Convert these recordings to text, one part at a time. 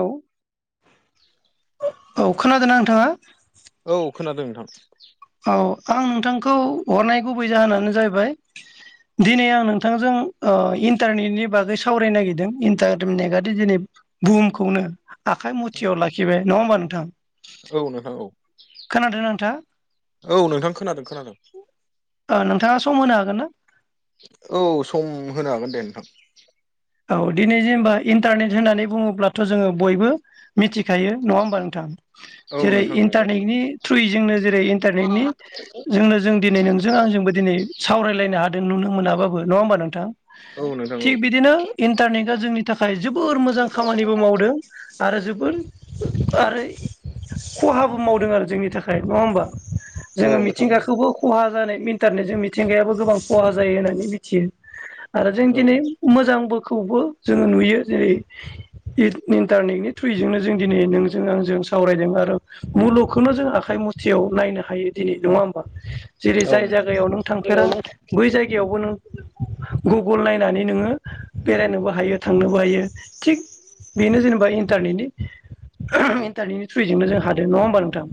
औे औ खोनादोंना नोंथाङा औ खोनादों नोंथां औ आं नोंथांखौ हरनाय गुबै जाहोनानो जाहैबाय दिनै आं नोंथांजों ओ इन्टारनेटनि बागै सावरायनो नागिरदों इन्टारनेटआदि दिनै बुहुमखौनो आखाइ मुथियाव लाखिबाय नङा होमबा नोंथां औ नोंथां औ खोनादोंना नोंथां औ नोंथां खोनादों खोनादों ओ नोंथाङा सम होनो हागोन ना औ सम होनो हागोन दे [unintelligible] औ दिनै जेनेबा इन्टारनेट होननानै बुङोब्लाथ' जोङो बयबो मिथिखायो नङा होमबा नोंथां [inaudible] औ जेरै नोंथां औ इन्टारनेटनि थ्रुयै जोंनो जेरै इन्टारनेटनि जोंनो जों दिनै नोंजों आंजोंबो दिनै सावरायलायनो हादों नुनो मोनाबाबो नङा होमबा नोंथां औ नोंथां थिग बिदिनो इन्टारनेटआ जोंनि थाखाय जोबोर मोजां खामानिबो मावदों आरो जो द आरो खहाबो मावदों आरो जोंनि थाखाय नङा होमबा औ जोङो नोंथां औ मिथिंगाखौबो खहा इनटारनेटजों मिथिंगायाबो गोबां खहा जायो होननानै मिथियो आरो जों औ दिनै मोजांबोखौबो जोङो नुयो जेरै इट इन्टारनेटनि थ्रुयैजोंनो जों दिनै नोंजों आंजों सावरायदों आरो मुलुगखौनो जों आखाइ मुथियाव नायनो हायो दिनै नङा होमबा जेरै औ जाय नोंथां जायगायाव नों औ थांफेरा बै जायगायावबो नों गुगोल नायनानै नोङो बेरायनोबो हायो थांनोबो हायो थिग बेनो जेनेबा इनटोरनेटनि इन्टारनेटनि थ्रुयजोंनो जों हादों नङा होमबा नोंथां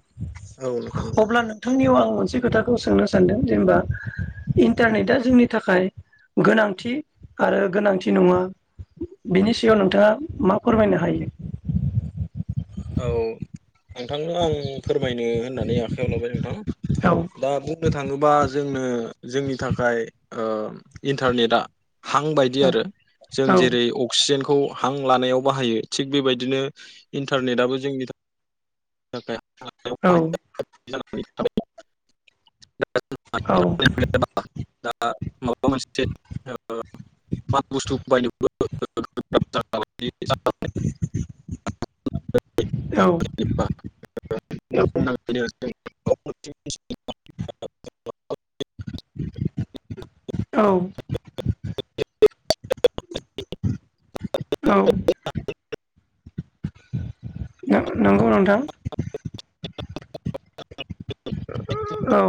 औ नोंथां अब्ला नोंथांनियाव आं मोनसे खोथाखौ सोंनो सानदों जेनेबा इन्टारनेटआ जोंनि थाखाय गोनांथि आरो गोनां नङा बिनि सायाव नोंथाङा मा फोरमायनो हायो औ नोंथांनो आं फोरमायनो होननानै आखायाव लाबाय नोंथां औ दा बुंनो थाङोबा जोंनो जोंनि थाखाय ओ इन्टारनेटआ हां बायदि आरो जों औ जेरै अक्सीजेन खौ हां लानायाव बाहायो। थिग बेबादिनो इन्टारनेटाबो जोंनि थाखाय हां लानायाव औ। [unintelligible] [unintelligible] औ [unintelligible] [unintelligible] [unintelligible] औ। औ। न-नंगौ नोंथां। [unintelligible] औ।